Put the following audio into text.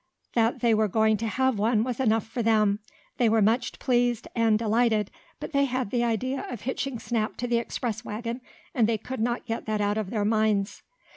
That they were going to have one was enough for them. They were much pleased and delighted, but they had the idea of hitching Snap to the express wagon, and they could not get that out of their minds.